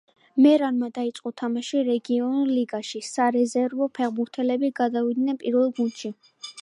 მერანმა დაიწყო თამაში რეგიონულ ლიგაში, სარეზერვო ფეხბურთელები გადავიდნენ პირველ გუნდში.